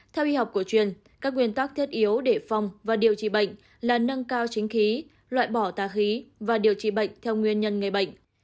theo y học cổ truyền các nguyên tắc thiết yếu để phòng và điều trị bệnh là nâng cao chính khí loại bỏ tà khí và điều trị bệnh theo nguyên nhân người bệnh